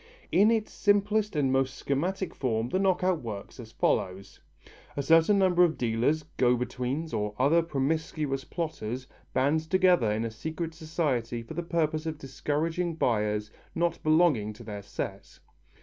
In its simplest and most schematic form the knock out works as follows. A certain number of dealers, go betweens or other promiscuous plotters, band together in a secret society for the purpose of discouraging buyers not belonging to their set.